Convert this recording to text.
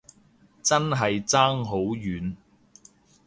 真係爭好遠